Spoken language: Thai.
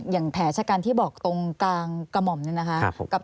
อย่างแผ่ฉะกับตรงมองเงี้ยนะครับ